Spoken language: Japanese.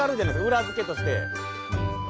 裏付けとして。